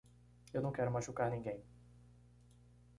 Eu não quero machucar ninguém.